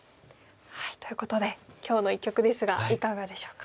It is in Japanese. ということで今日の一局ですがいかがでしょうか？